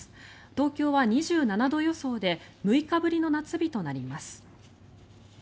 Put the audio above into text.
東京は２７度予想で６日ぶりの夏日となります。